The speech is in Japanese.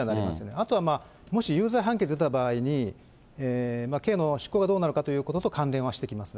あとはまあ、もし有罪判決が出た場合に、刑の執行がどうなるかということと関連はしてきますね。